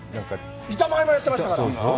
板前もやってましたから。